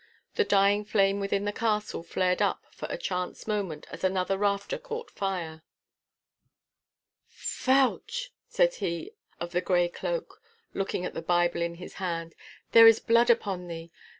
The dying flame within the castle flared up for a chance moment as another rafter caught fire. 'Fauch!' said he of the grey cloak, looking at the Bible in his hand, 'there is blood upon thee.